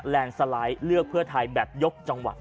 สไลด์เลือกเพื่อไทยแบบยกจังหวะ